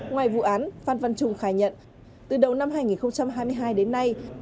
ngoài vụ án phan văn trung khai nhận từ đầu năm hai nghìn hai mươi hai đến nay